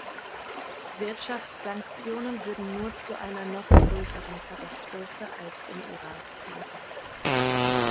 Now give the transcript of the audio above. Wirtschaftssanktionen würden nur zu einer noch größeren Katastrophe als im Irak führen.